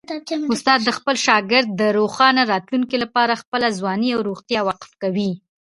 استاد د خپل شاګرد د روښانه راتلونکي لپاره خپله ځواني او روغتیا وقف کوي.